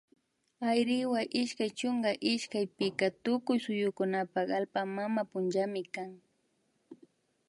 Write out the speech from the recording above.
Ayriwa ishkay chunka ishkay pika tukuy suyukunapak allpa mama punllami kan